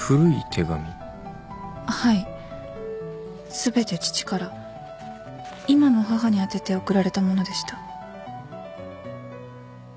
全て父から今の母に宛てて送られたものでした。